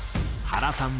原さん